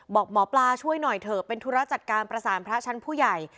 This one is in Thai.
บอกหมอปลาช่วยหน่อยเถอะเป็นธุระจัดการประสานพระชั้นผู้ใหญ่